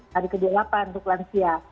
pada ke dua puluh delapan untuk lengsia